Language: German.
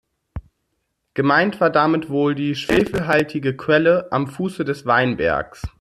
Gemeint war damit wohl die schwefelhaltige Quelle am Fuße des Weinbergs.